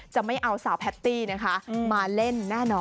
จะไม่เอาสาวแพตตี้มาเล่นน่ะหนอ